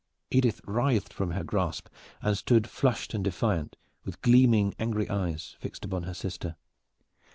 Edith writhed from her grasp, and stood flushed and defiant, with gleaming, angry eyes fixed upon her sister.